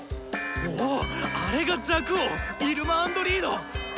おおあれが若王イルマ＆リード！